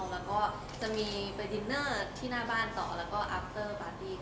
แล้วก็จะมีไปดินเนอร์ที่หน้าบ้านต่อแล้วก็อัพเตอร์ปาร์ตี้